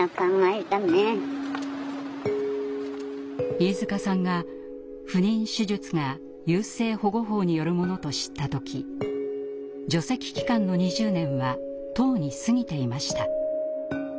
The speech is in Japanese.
飯塚さんが不妊手術が優生保護法によるものと知った時除斥期間の２０年はとうに過ぎていました。